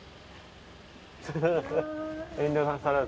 遠慮なさらず。